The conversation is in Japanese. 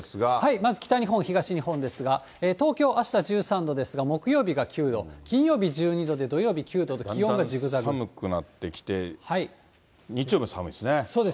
まず北日本、東日本ですが、東京、あした１３度ですが、木曜日が９度、金曜日１２度で、土曜日９度で、寒くなってきて、日曜日も寒そうです。